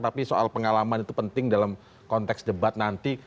tapi soal pengalaman itu penting dalam konteks debat nanti